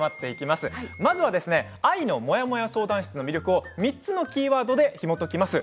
まずは「愛のモヤモヤ相談室」の魅力を３つのキーワードでひもときます。